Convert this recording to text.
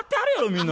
みんな。